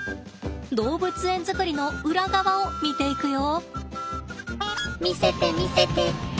動物園作りの裏側を見ていくよ！